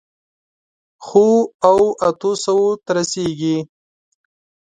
خو، اوو، اتو سووو ته رسېږي.